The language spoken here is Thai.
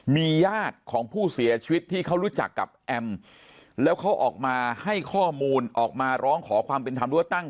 มีญาติของผู้เสียชีวิตที่เขารู้จักกับแอมแล้วเขาออกมาให้ข้อมูลออกมาร้องขอความเป็นธรรมหรือว่าตั้ง